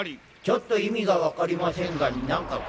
ちょっと意味が分かりませんが何かくれ。